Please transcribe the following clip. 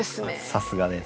さすがです。